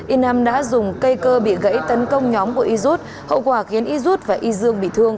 inam đã dùng cây cơ bị gãy tấn công nhóm của izud hậu quả khiến izud và izương bị thương